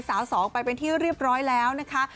สองไปเป็นที่เรียบร้อยแล้วนะคะ